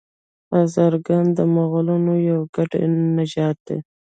هزاره ګان د مغولانو یو ګډ نژاد دی.